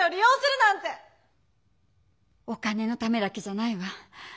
お金のためだけじゃないわ。